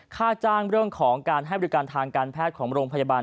ค่าจ้างเรื่องของการให้บริการทางการแพทย์ของโรงพยาบาล